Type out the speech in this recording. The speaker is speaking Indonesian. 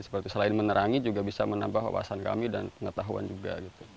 seperti selain menerangi juga bisa menambah wawasan kami dan pengetahuan juga